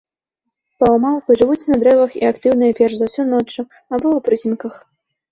Паўмалпы жывуць на дрэвах і актыўныя перш за ўсё ноччу або ў прыцемках.